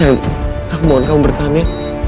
sayang aku mohon kamu bertahan ya